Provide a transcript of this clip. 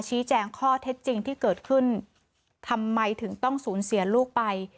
ชี้แจงข้อเท็จจริงที่เกิดขึ้นทำไมถึงต้องสูญเสียลูกไป